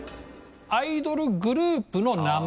アイドルグループの名前。